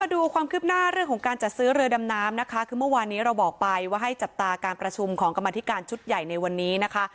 ดูความคืบหน้าเรื่องของการจัดซื้อเรือดำน้ำนะคะคือเมื่อวานนี้เราบอกไปว่าให้จับตาการประชุมของกรรมธิการชุดใหญ่ในวันนี้นะคะ